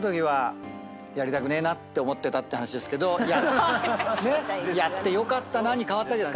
て話ですけどやってよかったなに変わったんじゃないですか。